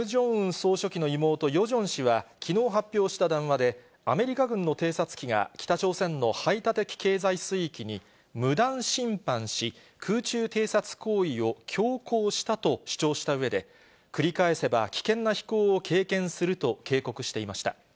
総書記の妹、ヨジョン氏はきのう発表した談話で、アメリカ軍の偵察機が北朝鮮の排他的経済水域に無断侵犯し、空中偵察行為を強行したと主張したうえで、繰り返せば危険な飛行を経験すると警告していました。